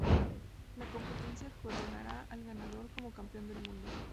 La competencia coronará al ganador como campeón del mundo.